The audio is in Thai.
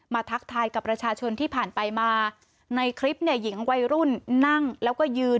ทักทายกับประชาชนที่ผ่านไปมาในคลิปเนี่ยหญิงวัยรุ่นนั่งแล้วก็ยืน